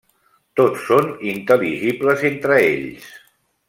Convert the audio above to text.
Tots són intel·ligibles entre ells.